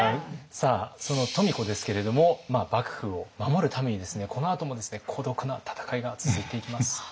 さあその富子ですけれども幕府を守るためにこのあとも孤独な闘いが続いていきます。